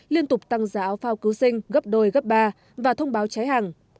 liên tục tăng giá áo phao cứu sinh gấp đôi gấp ba và thông báo cháy hàng